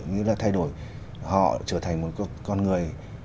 như là thay đổi họ trở thành một con người